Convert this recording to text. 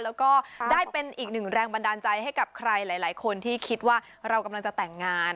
แล้วก็ได้เป็นอีกหนึ่งแรงบันดาลใจให้กับใครหลายคนที่คิดว่าเรากำลังจะแต่งงาน